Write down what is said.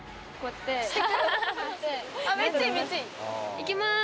・いきます